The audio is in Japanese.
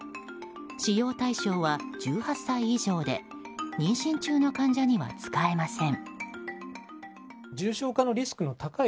使用対象は１８歳以上で妊娠中の患者には使えません。